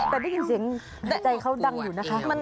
แต่ได้ยินเสียงใจเขาดังอยู่นะคะ